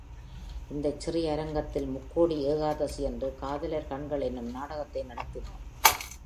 இந்தச் சிறிய அரங்கத்தில் முக்கோடி ஏகாதசியன்று காதலர் கண்கள் என்னும் நாடகத்தை நடத்தினோம்.